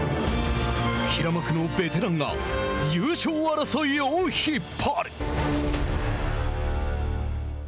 平幕のベテランが優勝争いを引っ張る。